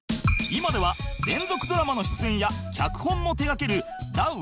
今では連続ドラマの出演や脚本も手がけるダウ９００００